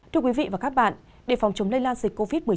thưa quý vị và các bạn để phòng chống lây lan dịch covid một mươi chín